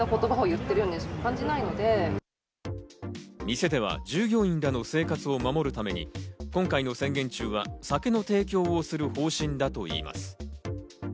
店では従業員らの生活を守るために今回の宣言中は酒の提供をする方針だといいます。